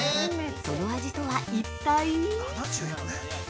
その味とは、一体？